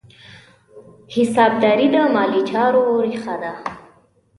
حسابداري د مالي چارو ریښه ده.